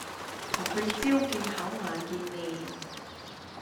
同佢朝見口晚見面